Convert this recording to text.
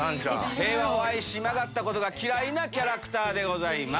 平和を愛し曲がったことが嫌いなキャラクターでございます。